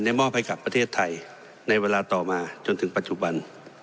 มอบให้กับประเทศไทยในเวลาต่อมาจนถึงปัจจุบัน